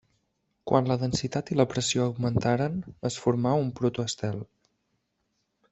Quan la densitat i la pressió augmentaren, es formà un protoestel.